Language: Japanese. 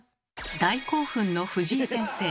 大興奮の藤井先生。